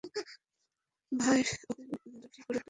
ভাই, ওদের দুটি করে তুলো ক্যান্ডি দিন।